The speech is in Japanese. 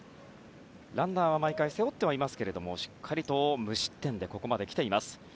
ランナーは毎回背負ってはいますがしっかりと無失点でここまで来ています。